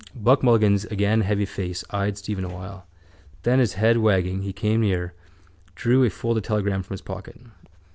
Buck Mulligan's again heavy face eyed Stephen awhile. Then, his head wagging, he came near, drew a folded telegram from his pocket.